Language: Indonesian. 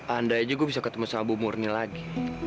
anda aja gue bisa ketemu sama bu murni lagi